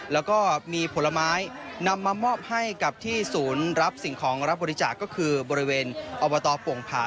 แล้วก็มีผลไม้นำมามอบให้กับที่ศูนย์รับสิ่งของรับบริจาคก็คือบริเวณอบตโป่งผา